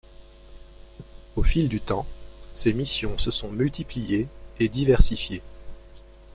Au fil du temps ses missions se sont multipliées et diversifiées.